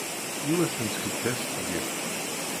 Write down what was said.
Yiwet n tkeddabt deg-m!